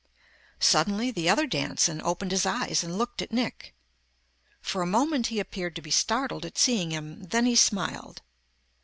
Suddenly the other Danson opened his eyes and looked at Nick. For a moment he appeared to be startled at seeing him, then he smiled.